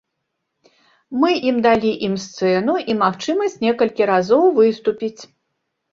Мы ім далі ім сцэну і магчымасць некалькі разоў выступіць.